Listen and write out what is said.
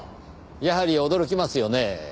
やはり驚きますよねぇ。